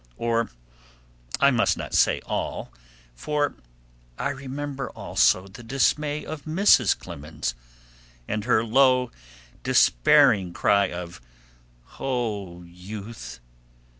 Or, I must not say all, for I remember also the dismay of Mrs. Clemens, and her low, despairing cry of, "Oh, Youth!"